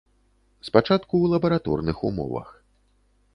Спачатку ў лабараторных умовах.